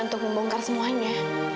untuk membongkar semuanya